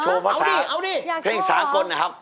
โชว์ภาษาเพลงสากลนะครับ